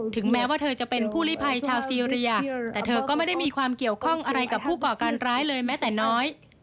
แม้ว่าเธอจะเป็นผู้ลิภัยชาวซีเรียแต่เธอก็ไม่ได้มีความเกี่ยวข้องอะไรกับผู้ก่อการร้ายเลยแม้แต่น้อย